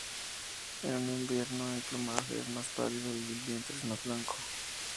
En invierno, el plumaje es más pálido, y el vientre es blanco.